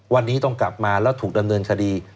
วันนี้ต้องกลับมาแล้วถูกดำเนินคดี